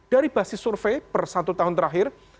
dari basis survei per satu tahun terakhir